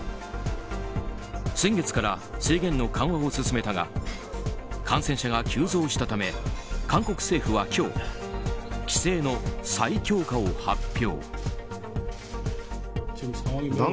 先月から制限の緩和を進めたが感染者が急増したため韓国政府は今日規制の再強化を発表。